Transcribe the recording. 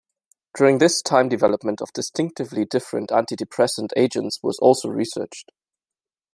During this time development of distinctively different antidepressant agents was also researched.